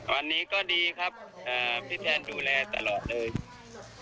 อันนี้ก็ดีครับอ่าพี่แทนดูแลตลอดเลย